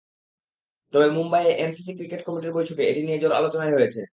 তবে মুম্বাইয়ে MCC cricket কমিটির বৈঠকে এটি নিয়ে জোর আলোচনাই হয়েছে।